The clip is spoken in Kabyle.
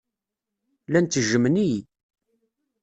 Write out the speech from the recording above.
Llan ttejjmen-iyi.